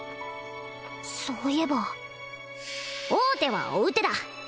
そういえば王手は追う手だ